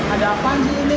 ada apaan sih ini